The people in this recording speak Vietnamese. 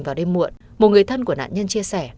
khi đến muộn một người thân của nạn nhân chia sẻ